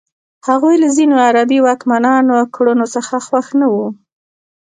هغوی له ځینو عربي واکمنانو کړنو څخه خوښ نه وو.